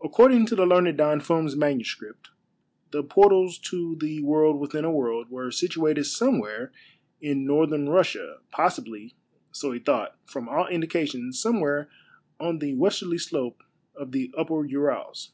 According to the learned Don Finn's manuscript, the portals to the World within a World were situated somewhere in Northern Russia, possibly, so he thought, from all indications, somewhere on the westerly slope of the tipper Urals.